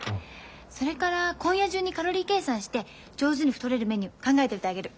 それから今夜中にカロリー計算して上手に太れるメニュー考えておいてあげる。